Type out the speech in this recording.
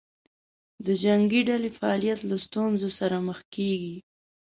د جنګې ډلې فعالیت له ستونزې سره مخ کېږي.